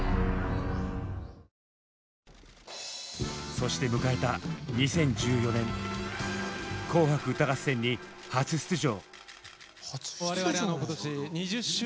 そして迎えた２０１４年「紅白歌合戦」に初出場。